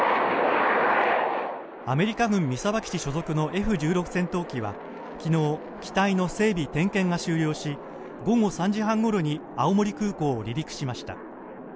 アメリカ軍三沢基地所属のＦ１６戦闘機は昨日、機体の整備・点検が終了し午後３時半ごろに青森空港を離陸しました。